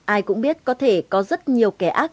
ai cũng biết có thể có rất nhiều kẻ ác